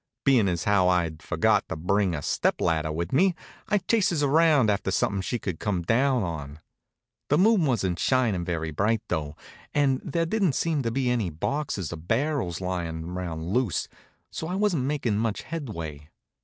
Bein' as how I'd forgot to bring a step ladder with me, I chases around after something she could come down on. The moon wasn't shinin' very bright though, and there didn't seem to be any boxes or barrels lyin' around loose, so I wasn't makin' much headway.